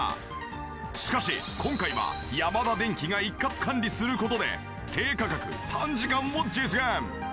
しかし今回はヤマダデンキが一括管理する事で低価格短時間を実現！